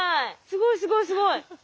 すごいすごいすごい。